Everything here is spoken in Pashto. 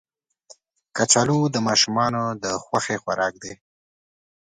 کچالو د ماشومانو خوښ خوراک دی